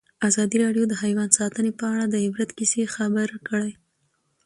ازادي راډیو د حیوان ساتنه په اړه د عبرت کیسې خبر کړي.